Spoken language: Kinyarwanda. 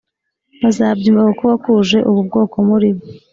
bazabyumva kuko wakuje ubu bwoko muri bo